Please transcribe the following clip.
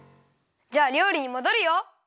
じゃありょうりにもどるよ！